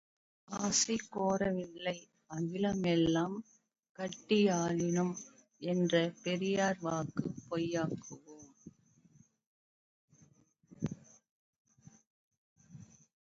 ஆசைக்கோரளவில்லை அகிலமெல்லாங் கட்டியாளினும் என்ற பெரியார் வாக்கு பொய்க்குமோ!